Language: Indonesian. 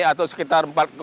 atau sekitar empat tiga